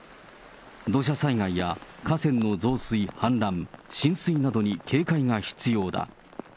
土砂災害や河川の増水、氾濫、浸水などに警戒が必要だ。